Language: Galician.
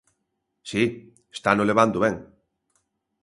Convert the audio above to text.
Si, estano levando ben.